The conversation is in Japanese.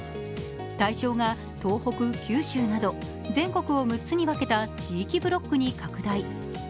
対象が東北、九州など全国を６つに分けた地域ブロックに拡大。